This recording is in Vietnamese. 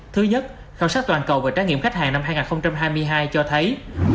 thứ nhất khảo sát toàn cầu về trải nghiệm khách hàng năm hai nghìn hai mươi hai cho thấy